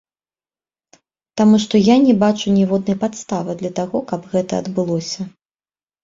Таму што я не бачу ніводнай падставы для таго, каб гэта адбылося.